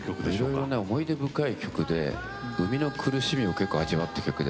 いろいろ思い出深い曲で生みの苦しみを結構味わった曲で。